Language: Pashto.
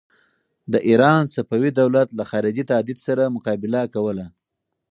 د ایران صفوي دولت له خارجي تهدید سره مقابله کوله.